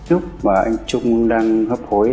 lúc mà anh trung đang hấp hối